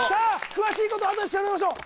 詳しいことはあとで調べましょう